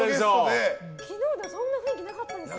昨日はそんな雰囲気なかったですよね。